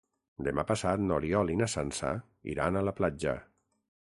Demà passat n'Oriol i na Sança iran a la platja.